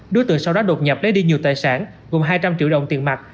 đối tượng sau đó đột nhập lấy đi nhiều tài sản gồm hai trăm linh triệu đồng tiền mặt